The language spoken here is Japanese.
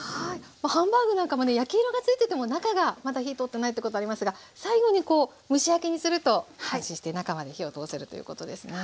ハンバーグなんかもね焼き色がついてても中がまだ火通っていないってことありますが最後にこう蒸し焼きにすると安心して中まで火を通せるということですね。